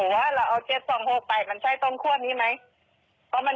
ว่าเราเอาเจ็ดสองหกไปมันใช้ต้นคั่วนี้ไหมเพราะมัน